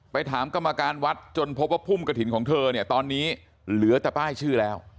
ถามกรรมการวัดจนพบว่าพุ่มกระถิ่นของเธอเนี่ยตอนนี้เหลือแต่ป้ายชื่อแล้ว